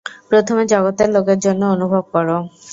প্রথমে জগতের লোকের জন্য অনুভব কর।